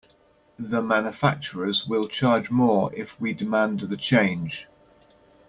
The manufacturers will charge more if we demand the change.